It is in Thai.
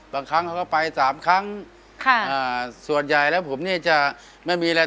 บางครั้งเขาก็ไปสามครั้งค่ะอ่าส่วนใหญ่แล้วผมเนี่ยจะไม่มีอะไร